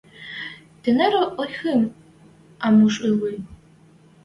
Тинӓр ойхым ам уж ыльы